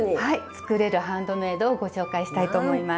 作れるハンドメイドをご紹介したいと思います。